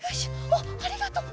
おっありがとう。